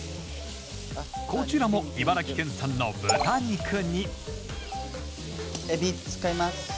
こちらも茨城県産の豚肉にエビ使います。